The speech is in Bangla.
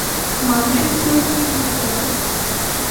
মানুষের চেয়েও কি বিপজ্জনক?